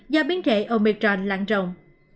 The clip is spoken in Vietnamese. do biến thể omicron lãng rộng